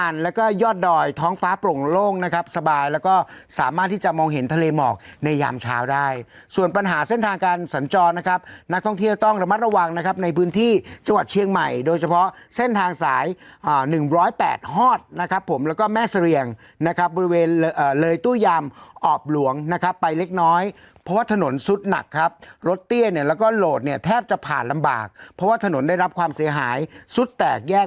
นักท่องเที่ยวต้องระมัดระวังนะครับในพื้นที่จังหวัดเชียงใหม่โดยเฉพาะเส้นทางสายอ่าหนึ่งร้อยแปดฮอตนะครับผมแล้วก็แม่เสรียงนะครับบริเวณเอ่อเลยตู้ยามออบหลวงนะครับไปเล็กน้อยเพราะว่าถนนสุดหนักครับรถเตี้ยเนี่ยแล้วก็โหลดเนี่ยแทบจะผ่านลำบากเพราะว่าถนนได้รับความเสียหายสุดแตกแย